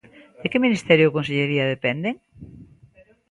¿De que ministerio ou consellería dependen?